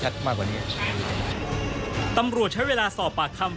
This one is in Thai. ตำรวจใช้เวลาสอบปากคำ